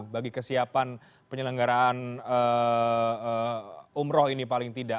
bagi kesiapan penyelenggaraan umroh ini paling tidak